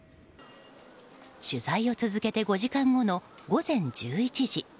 取材を続けて５時間後の午前１１時。